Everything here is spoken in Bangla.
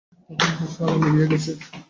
তখন আকাশের আলো নিবিয়া গেছে।